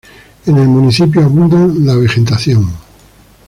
En el municipio abunda la vegetación.